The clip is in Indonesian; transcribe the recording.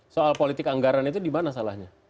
soal politik anggaran itu dimana salahnya